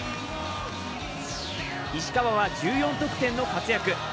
石川は１４得点の活躍。